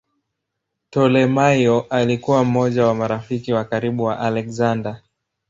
Ptolemaio alikuwa mmoja wa marafiki wa karibu wa Aleksander.